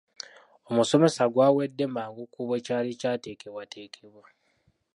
Omusomesa gwawedde mangu ku bwe kyali kyateekebwateekebwa.